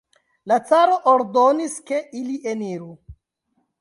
La caro ordonis, ke ili eniru.